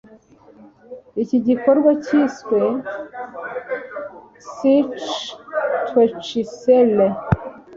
Iki gikorwa kiswe “Sichtwechsel